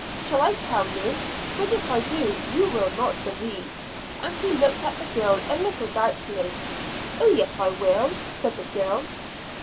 "Shall I tell you but if I do, you will not believe" and he looked at the girl a little doubtfully. "Oh, yes, I will," said the girl.